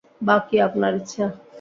বাকি আপনার ইচ্ছা।